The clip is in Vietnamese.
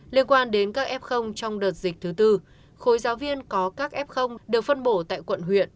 liên quan đến các f trong đợt dịch thứ tư khối giáo viên có các f đều phân bổ tại quận huyện